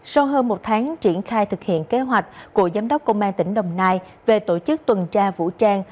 sau hơn một tháng triển khai thực hiện kế hoạch của giám đốc công an tỉnh đồng nai về tổ chức tuần tra vũ trang